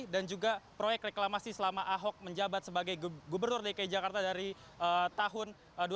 dan juga proyek reklamasi selama ahok menjabat sebagai gubernur dki jakarta dari tahun dua ribu empat belas